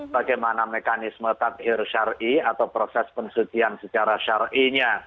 bagaimana mekanisme tatir syari'i atau proses pensucian secara syari'inya